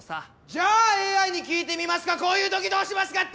じゃあＡＩに聞いてみますかこういう時どうしますかって！